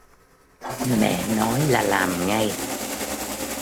Mẹ nói là làm ngay